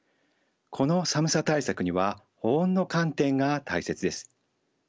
この寒さ対策には保温の観点が大切です。